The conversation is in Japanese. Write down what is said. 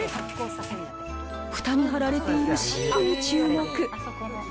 ふたに貼られているシールに注目。